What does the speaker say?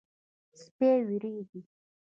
سپي وېرېږي.